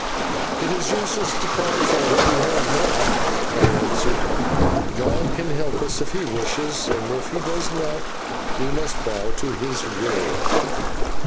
"It is useless to cry for what we have not," I answered. "God can help us if He wishes, and if He does not, we must bow us to His will."